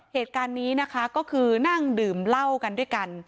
เหตุการณ์นี้นะคะก็คือนั่งดื่มเหล้ากันด้วยกัน